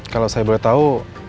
kalau saya boleh tahu